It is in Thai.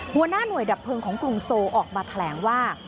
หัวหน้าหน่วยดับเพลิงของกรุงโซออกมาแถลงว่า